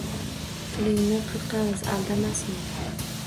-Tilingni qirqamiz, aldamasin u!